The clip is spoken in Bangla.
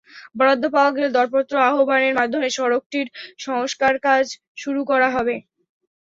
বরাদ্দ পাওয়া গেলে দরপত্র আহ্বানের মাধ্যমে সড়কটির সংস্কারকাজ শুরু করা হবে।